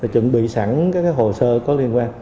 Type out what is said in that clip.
chuẩn bị sẵn các hồ sơ có liên quan